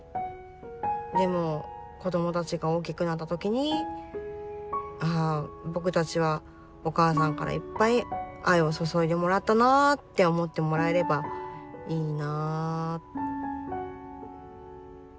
でも子どもたちが大きくなった時に「ああ僕たちはお母さんからいっぱい愛を注いでもらったな」って思ってもらえればいいな。